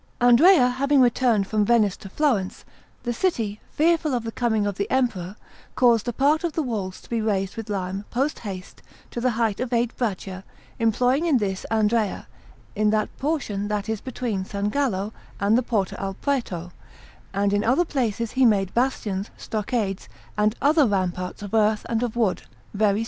Andrea having returned from Venice to Florence, the city, fearful of the coming of the Emperor, caused a part of the walls to be raised with lime post haste to the height of eight braccia, employing in this Andrea, in that portion that is between San Gallo and the Porta al Prato; and in other places he made bastions, stockades, and other ramparts of earth and of wood, very strong.